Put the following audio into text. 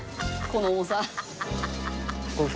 この重さ。